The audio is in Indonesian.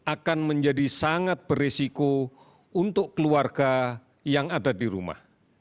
akan menjadi sangat beresiko untuk keluarga yang ada di rumah